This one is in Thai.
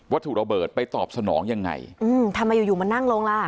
ถูกระเบิดไปตอบสนองยังไงอืมทำไมอยู่อยู่มันนั่งลงล่ะ